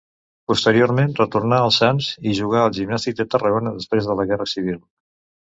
Posteriorment retornà al Sants i jugà al Gimnàstic de Tarragona després de la guerra civil.